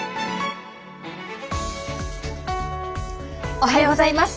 おはようございます。